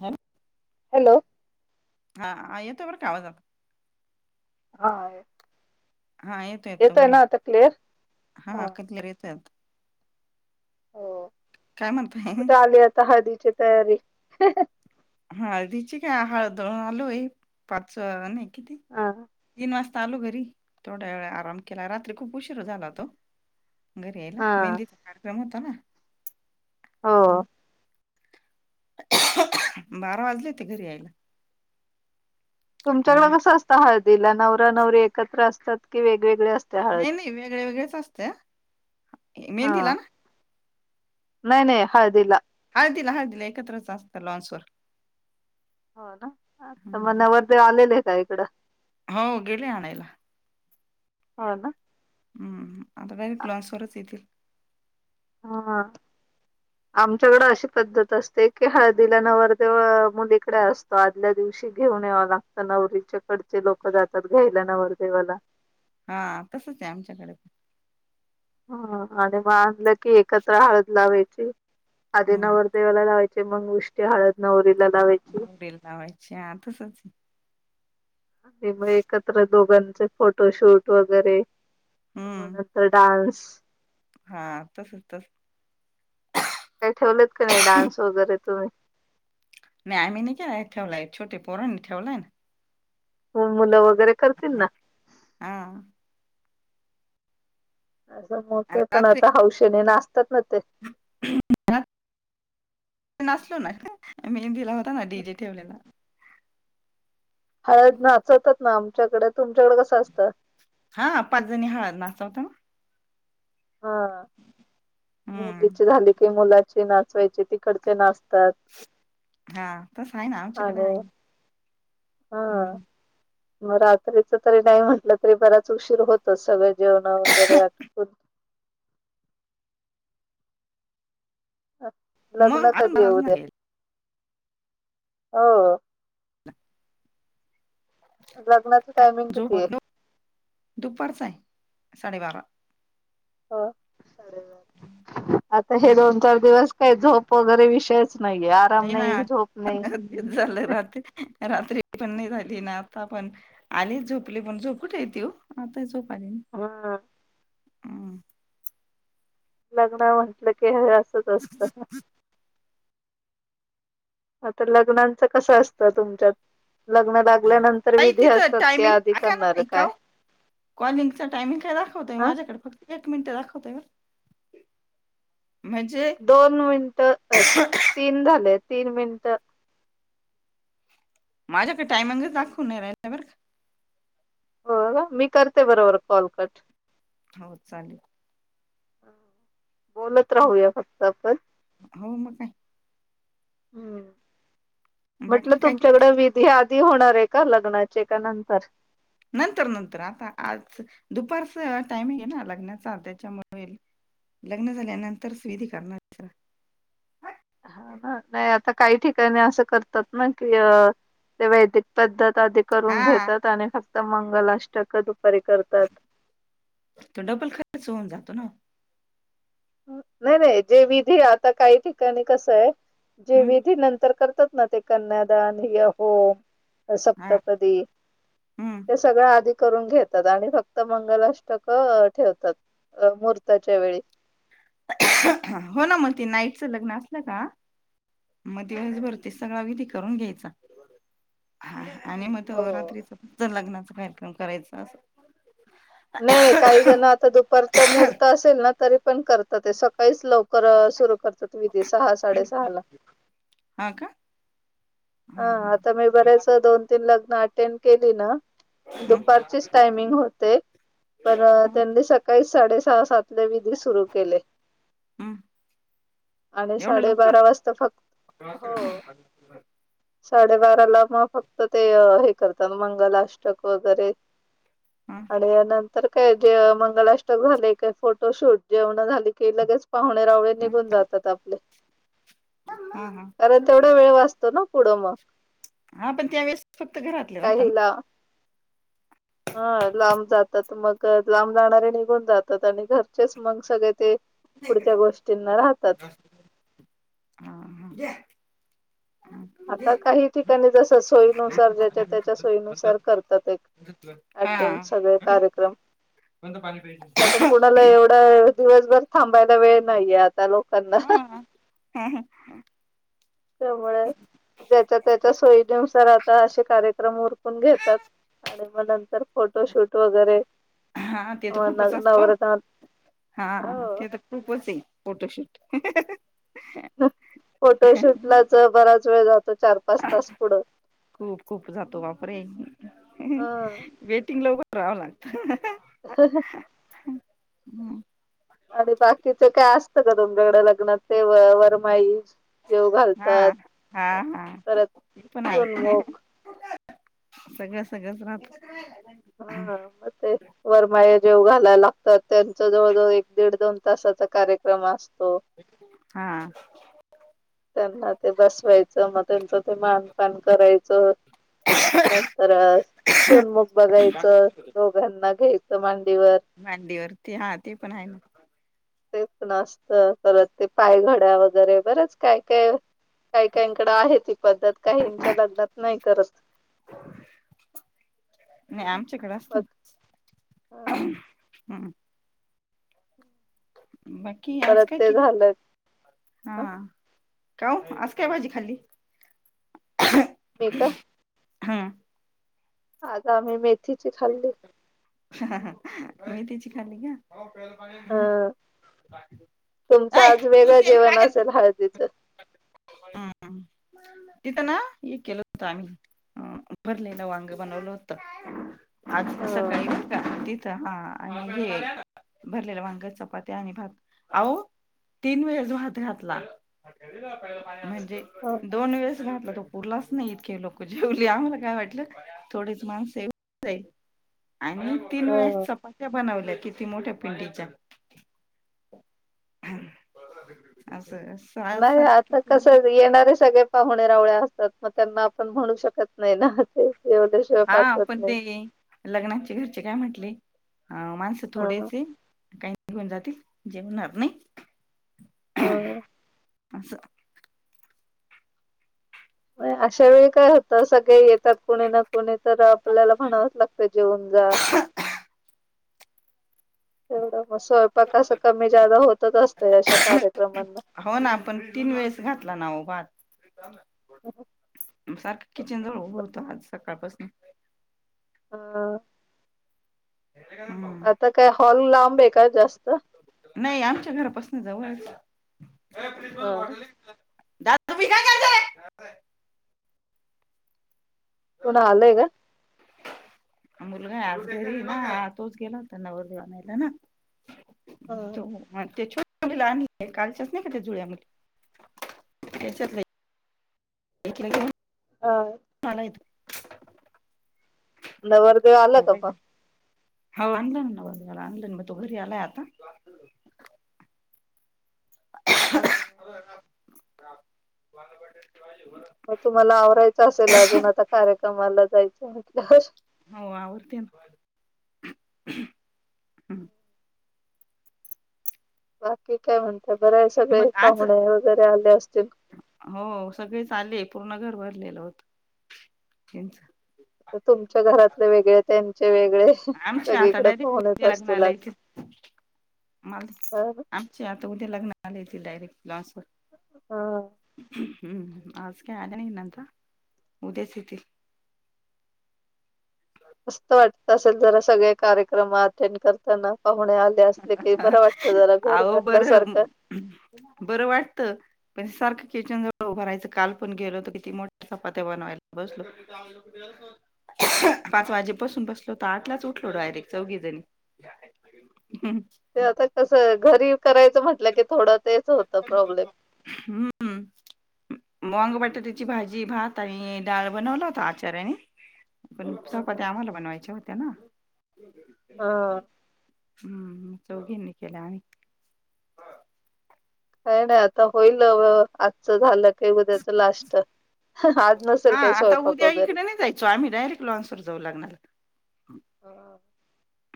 ह. [inaudible] हॅलो. [inaudible] हा येतो बरं का आवाज आता. [inaudible] हा. हा येतो, येतो येतोय बोला, ना आता क्लिअर हा कतलर येतोयं आवा हो, काय म्हणताय कुठे आली आता हळदीची तयारी? हाळदिची काय हाळद आलोय पाच ने हा. तीन वाजता आलो घरी थोड्या वेळा आराम केला रात्री खूप उशीर झाला होता ओ. घरी यायला हा मेहंदीचा कार्यक्रम होता ना. हो. हम्म. बारा वाजले ते घरी यायला. आणि तुमच्याकड कस असतं हळदीला नवरा-नवरी एकत्र असतात कि वेग नाही, नाही वेगळे-वेगळेच असते मेहंदीला हा ना. नाही, नाही हळदीला. हळदिला-हळदिला एकत्रच असता लॉचवर. हो ना आता म नवरदेव आलेले काय इकडं? हो गेले आणायला. हो ना. हम्, आता काय ग्लॉस वरच येतील. हा हा. आमच्याकडं अशी पद्धत असते की हळदीला नवरदेव अ मुलीकडे असतो आदल्या दिवशी. शी घेऊन याव लागत नवरीच्या कडचे लोक जातात घ्यायला नवरदेवाला. हा तसच आहे आमच्याकडे पण. हं. आणि मग आनलं की एकत्र हळद लावायची आधी हम्म नवरदेवाला लावायची. म्हणजे मग उष्टी हळद नवरी नवरीला लावायची आ तसंच आणि मग एकत्र दोघांचे फोटोशूट वगैरे [inaudible] मग हम्म अता डान्स. [inaudible] हा तसच तस काय ठेवलेत का नाही डान्स वगैरे तुम्ही? नाही आम्ही नाय काय ठेवलाय छोटे पोरांनी ठेवलाय ना. मुलं वगैरे करतील ना. हा [inaudible] असं आणि मोठे पण रात्री आता हौशने नाचतात ना ते [inaudible] नाचलो ना मेन दिला होता ना डीजे ठेवलेला. हळद नाचवतात ना आमच्याकडे. तुमच्याकडे कसं असतं? हा पाच जणी हळद नाचवता ना हा हम्म मुलीचे झाले की मुलाचे नाचवायचे तिकडंचे नाचतात हा तस आहे ना आण आमच्याकडे आहे हा हम्म म रात्रीच तरी नाही म्हटलं तरी बराच उशीर होतच सगळे जेवण वगैरे आटपून लग्न मग अजून कधी ये बराच उद्या नाही हो. लग्नाचं टायमिंग झोप किती ये? होत साडे बारा. हो साडे बारा आता हे हम्म दोन चार दिवस काय झोप वगैरे विषयचं नाई नाआता तेच झालंय रात्री रात्री पण नाई झाली ना आत आता पण आले झोपले पण झोप कुठ येते ओ आता झोप हा हम् लग्न म्हंटल की हे असंच असत. आता लग्नांचं कसं असतं तुमच्यात लग्न ह लागल्यानंतर ताई विधी तिथं असतात की टायमिंग आधी अकाणा करणार ताई काय काव कॉलिंग चा टायमिंग काय दाखवतोय हा माझ्याकडे फक्त एक मिनिट दाखवतोय बरं म्हणजे दोन मिनिटं अ-तीन झाले तीन मिनिटं माझ्याकडे टायमिंगचं दाखवून नाही राहिलं बर का. हो का मी करते बरोबर कॉल कट. हो चाले. बोलत राहूया फक्त आपण [inaudible] हम्म म्हटलं बाकी काय किती तुमच्याकडे विधि आ धी होणार ये का लग्नाचे का न नंतर नंतर आता आज दुपारच टाइमिंग हे ना लग्नाचा त्याच्यामुळ लग्न झाल्या नंतरच विधी करणार त हा ना नाही आता काही ठिकाणी असं करतात ना की अ त्या वैदिक पद्धत आधी करून हा घेतात आणि फक्त मंगलाष्टक दुपारी करतात. तो डबल खर्च होऊन जातो ओ. नाय नाय जे विधी आता काही ठिकाणी कसय जे हम्म विधी नंतर करतात ना ते कन्यादान या ओम अ हा सप्तपदी हे हम्म सगळं अधी करून घेतात आणि फक्त मंगलाष्टक ठेवतात अ महूर्ताच्या वेळी हो ना म ते नाईटचं लग्न असलं का म दिवस भर हं. तेच सगळा विधी करून घ्यायचा हा आणि म तो हो रात्रीचा फक्त लग्नाचा कार्यक्रम करायचा अस. नाई काही जण आता दुपारच्या मुहूर्त असेल ना तरी पण करतात सकाळीच लवकर अ सुरू करतात वि धी सहा साडे सहाला हा का हा आता मी बरेच दोन तीन लग्न अटेंनं केली ना हा दुपारचीच टायमिंग होते. पण त्यांनी सकाळी साडे सहा सात ल विधी सुरू केले. हम्म आणि एवढं लवकर साडेबारा वाजता फक् हो साडेबाराला म फक्त ते हे करतात मंगलाष्टक वगैरे हा आणि या नं तर काय जे मंगलाष्टक झाले का फोटोशूट जेवण झाले की लगेच पाहुणे रावळे हा निघून जातात आपले हा हा कारण तेवढा वेळ वाचतो ना. पुड मग हा पण त्या वेळेस फक्त घरातले राहताना. काहीला हा लांब जातात मग लांब जाणारे निघून जातात आणि घरचेच मग सगळे ते पुढच्या गोष्टींना राहतात. ना आता काही ठिकाणी जस सोयीनुसार ज्याच्या त्याच्या सोयीनुसार करतात एक हा अटेंड सगळे कार्यक्रम, पाणी कारण कुणाला प्यायच. एवढा दिवसभर थांबायला वेळ नाहीय. लोकांना हा त्यामुळे ज्याच्या त्याच्या सोयीनुसार आता असे कार्यक्रम उरकून घेतात आणि मग नंतर फोटोशूट वगैरे. हा ते तर खूपच असत ओ नवरत्न हो ते तर खूपचए फोटोशूट फोटोशूट लाच बराच वेळ जातो. चार पाच तास पुढं खूप खूप जातो वापरे ह वेटिंगला उभ कराव लागत ह हम्. आणि बाकीच काय असतं, का तुमच्याकड लग्नात तेव वरमाई. जेव हा घालतात हा हा परत पण आहे. सोनमुख सगळं सगळंच राहत. हा मग ते वरमाया जेव घालायला लागतात त्यांच जवळजवळ एक दीड दोन तासाचा त कार्यक्रम असतो हा. त्यांना ते बसवायचं मग त्यांचं ते मानपान करायचं नंतर सूनमुख बघायचं दोघांना घ्यायचं मां मांडीवरती हा ते पण आहे ना. ते पण आसत परत ते पायघड्या वगैरे बरंच काय काय काही काहीकड आहे ती पद्धत काहीच्या लग्नात नाही करत. नाही आमच्याकडे असत ना. हा का. हं. बाकी आज परत काय ते केलं. झालं हा काओ आज काय भाजी खाल्ली? मी का हा. आज आम्ही मेथीची खाल्ली. मेथीची खाली का? अ [inaudible] तुमचं आज वेगळं जेवण करते असेल हळदीचं हम हम तिथं ना हे केलं होतं आम्ही. अ भरलेलं वांग बनवलं होत. आज ह सकाळी बर का हा आणि हे भरलेलं वांग चपात्या आणि भात. आहो तीन वेळेस भात घातला म्हणजे दोन वेळेस घातला तो उरलाच नाही इतके लोक जेवले आम्हाला काय वाटलं थोडेच माणसे आहे होऊन जाईल. आणि तीन वेळेस ह चपात्या बनवल्या किती मोठ्या पिंडीच्या. ह. नाही आता कस येणारे सगळे पाहुणे पाहुणे असतात मग त्यांना आपण म्हणू शकत नाही ना ते जेवल्याशिवाय हा पाठवत पण ते नाही ये लग्नाची घरची काय म्हटले. अ माणस ह थोडेच ये. काही निघून जातील जेवणार नाही. अ असं. अशा वेळी काय होत सगळे येतात कोणी ना कोणी तर आपल्याला म्हणावंच लागतं जेवून जा. एवढं. मग स्वयंपाक अस कमी जादा होतच असतं अशा कार्यक्रमांना. हो ना आपण तीन वेळेस घातला नाओ भात सारखं किचन जवळ उभं होतो आज सकाळपासून. [unintelligible] हम्म आता काय हॉल लांब आहे का जास्त? ह नाही आमच्या घरापासून जवळच हाय. ना [unintelligible] कोण आलंय ग? मुलगा आज घरी ना तोच गेला होता नवरदेव आणयला ना. हा तो म तेछ काळच्याच नाही का त्या जुळ्या मुली त्याच्यात एकीला घेऊन अ.. आलाय नवरदेव आला तो का म? हो आणला ना नवरदेव आणला ना. म तो घरी आलाय आता. हा हा. [unintelligible] म तुम्हाला आवरायचं असेल अजून आता कार्यक्रमाला जायचं म्हटल्यावर.. हो आवरते ना. बाकी काय म्हणते? तर बर आहे सगळे मग आज पाहुणे वगैरे आले असतील.. गेलो होतो [unintelligible] तुमच्या घरातले वेगळे त्या चे वेगळे आमची आता सगळीकडे फोनच असतील आज.. [unintelligible] हा ना? आमचे आता उद्या लग्न आले ते डायरेक्ट क्लासहून. हा. हम्म आज काही आले नाही आता, उद्याच येतील. मस्त वाटत असेल जरा सगळे कार्यक्रम अटेंड करताना. पाहुणे आले असले की बरं वाटतं जरा घर अहो बरं भरल्यासारखं. बरं वाटतं पण सारखं किचन जवळ उभं रायचं काल पण गेलो तर किती मोठ्या चपात्या बनवायला बसलो. पाच वाजेपसून बसलो तर आठलाच उठलो डायरेक्ट चौघी जणी. ते आता कस घरी करायचं म्हंटलं की थोडं तेच होत प्रॉब्लेम. हम्म वांग बटाट्याची भाजी, भात आणि डाळ बनवला होता आचार्याने. पण चपात्या आम्हाला बनवायच्या होत्या ना! हा. हम्म, चौघीनी केल्या आम्ही. काय नाही आता होईल आजचं झालं काही उद्याच लास्ट. आज नसेल हा काही आता स्वयंपाक उद्या वगैरे इकडे नाही जायचो आम्ही डायरेक्ट लॉन्स वर जाऊ लग्नाला. रिकामा ऑडिओ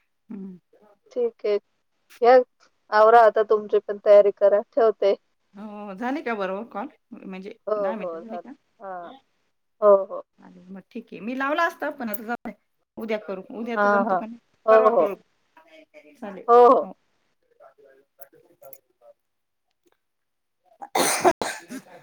रिकामा ऑडिओ या आवरा आता तुमची पण तयारी करा. ठेवते. हो झाले का बरोबर कॉल म्हणजे हो दहा हो मिनिटं झाली झालं का? हा हो हो. चालेल मग ठीक आहे मी लावला असत पण आता जाउदे, उद्या. करू हा उद्यातर जमतो हा की नाही. हो परवा हो करू. चालेल हो. [inaudible]